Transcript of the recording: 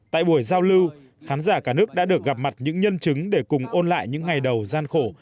tại buổi giao lưu khán giả cả nước đã được gặp mặt những nhân chứng để cùng ôn lại những ngày đầu gian khổ